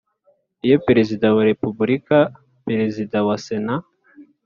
Iyo Perezida wa Repubulika Perezida wa Sena